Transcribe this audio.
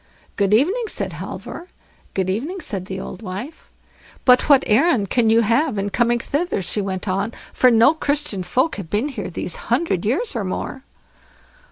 "Good evening", said Halvor. "Good evening", said the old wife. "But what errand can you have in coming hither?" she went on, "for no Christian folk have been here these hundred years and more."